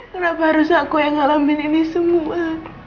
kenapa harus aku yang ngalamin ini semua